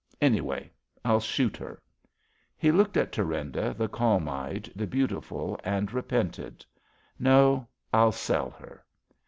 Anyway, I'll shoot her." He looked at Thurinda, the calm eyed, the beautiful, and re pented. No! I'll sell her."